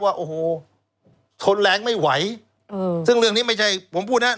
ว่าโอ้โหทนแรงไม่ไหวอืมซึ่งเรื่องนี้ไม่ใช่ผมพูดนะ